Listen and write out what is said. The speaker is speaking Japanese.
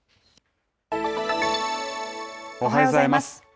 おはようございます。